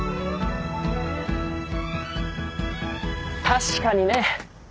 確かにね。